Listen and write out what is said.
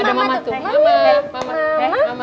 ada mama tuh mama mama